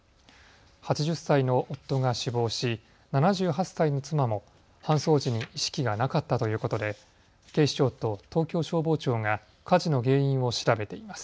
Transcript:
８０歳の夫が死亡し、７８歳の妻も搬送時に意識がなかったということで警視庁と東京消防庁が火事の原因を調べています。